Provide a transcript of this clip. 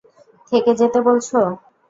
থেকে যেতে বলছ?